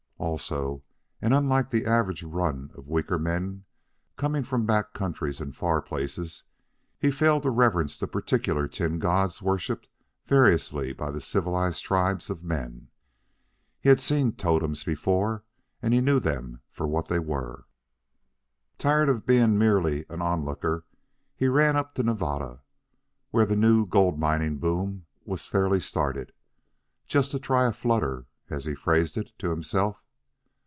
Also, and unlike the average run of weaker men coming from back countries and far places, he failed to reverence the particular tin gods worshipped variously by the civilized tribes of men. He had seen totems before, and knew them for what they were. Tiring of being merely an onlooker, he ran up to Nevada, where the new gold mining boom was fairly started "just to try a flutter," as he phrased it to himself.